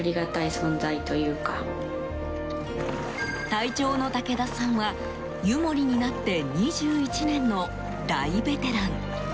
隊長の武田さんは湯守になって２１年の大ベテラン。